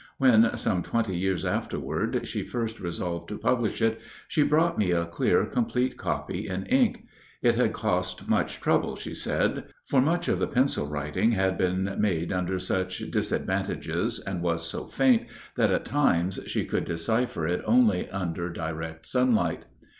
When, some twenty years afterward, she first resolved to publish it, she brought me a clear, complete copy in ink. It had cost much trouble, she said; for much of the pencil writing had been made under such disadvantages and was so faint that at times she could decipher it only under direct sunlight.